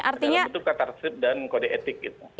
dalam tata tertib dan kode etik itu